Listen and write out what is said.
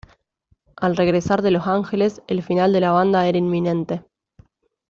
Al regresar de Los Ángeles, el final de la banda era inminente.